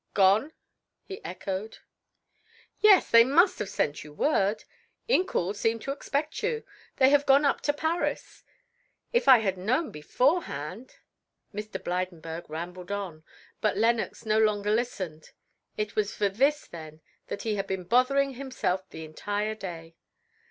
"Gone," he echoed. "Yes, they must have sent you word. Incoul seemed to expect you. They have gone up to Paris. If I had known beforehand " Mr. Blydenburg rambled on, but Lenox no longer listened. It was for this then that he had been bothering himself the entire day.